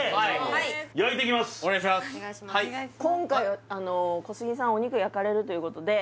今回小杉さんお肉焼かれるということで